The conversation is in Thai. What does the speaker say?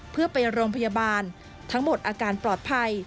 เพื่อไปโรงพยาบาลทั้งหมดอาการปลอดภัย